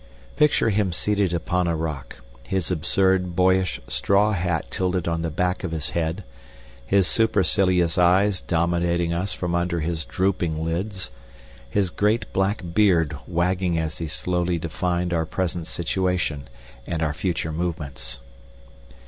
Picture him seated upon a rock, his absurd boyish straw hat tilted on the back of his head, his supercilious eyes dominating us from under his drooping lids, his great black beard wagging as he slowly defined our present situation and our future movements.